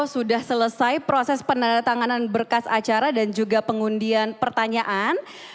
sudah selesai proses penandatanganan berkas acara dan juga pengundian pertanyaan